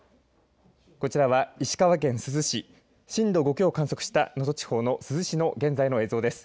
こちらは石川県珠洲市、震度５強を観測した能登地方の珠洲市の現在の映像です。